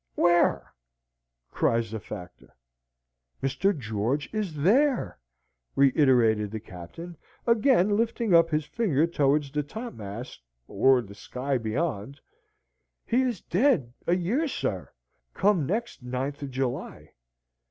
"Where?" cries the factor. "Mr. George is there!" reiterated the Captain, again lifting up his finger towards the topmast, or the sky beyond. "He is dead a year, sir, come next 9th of July.